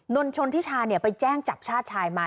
นนชนทิชาไปแจ้งจับชาติชายมา